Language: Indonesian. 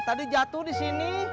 tadi jatuh di sini